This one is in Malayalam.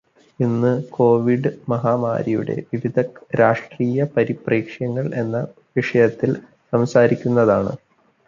ഇന്ന് കോവിഡ് മഹാമാരിയുടെ വിവിധ രാഷ്ട്രീയപരിപ്രേക്ഷ്യങ്ങൾ എന്ന വിഷയത്തിൽ സംസാരിക്കുന്നതാണ്.